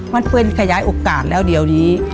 มันเป็นขยายโอกาสแล้วเดี๋ยวนี้